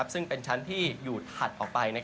ซึ่งเป็นชั้นที่อยู่ถัดออกไป